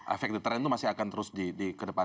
efek deteren itu masih akan terus di kedepan